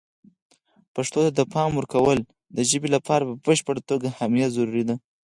پښتو ته د پام ورکول د ژبې لپاره په بشپړه توګه حمایه ضروري ده.